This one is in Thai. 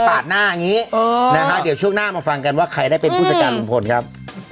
หน้าอย่างนี้นะฮะเดี๋ยวช่วงหน้ามาฟังกันว่าใครได้เป็นผู้จัดการลุงพลครับ